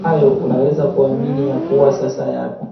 hayo Unaweza kuamini ya kuwa sasa yako